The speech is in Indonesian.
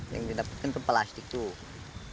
yang didapatkan itu plastik tuh